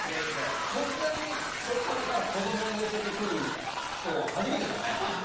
こんなに初っぱなからこどもに寄せてくる人は初めてだね。